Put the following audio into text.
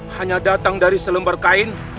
hanya datang dari selembar kain